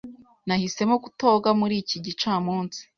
Nahisemo kutoga muri iki gicamunsi.